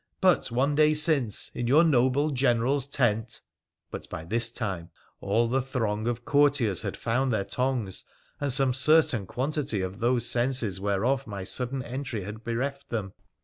But one day since, in your noble General's tent •' But by this time all the throng of courtiers had found their tongues, and some certain quantity of those senses whereof my sudden entry had bereft them.